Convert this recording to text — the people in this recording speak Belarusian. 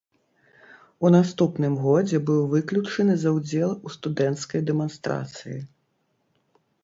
У наступным годзе быў выключаны за ўдзел у студэнцкай дэманстрацыі.